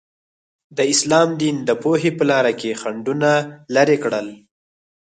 د اسلام دین د پوهې په لاره کې خنډونه لرې کړل.